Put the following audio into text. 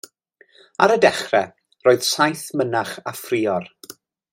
Ar y dechrau, roedd saith mynach a phrior.